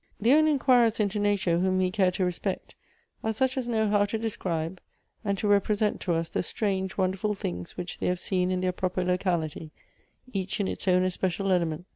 " The only inquirers into nature whom we care to re spect, are such as know how to describe and to represent Elective Affinities. 227 to us the strange wondeiful things wliich tliey have seen in their proper locality, each in its own especial element.